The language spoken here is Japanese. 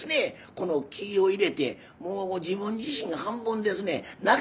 この気を入れてもう自分自身が半分ですね泣き